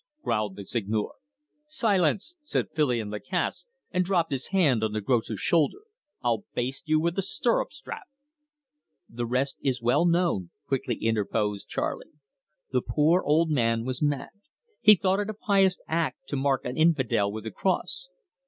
growled the Seigneur. "Silence!" said Filion Lacasse, and dropped his hand on the grocer's shoulder. "I'll baste you with a stirrup strap." "The rest is well known," quickly interposed Charley. "The poor man was mad. He thought it a pious act to mark an infidel with the cross."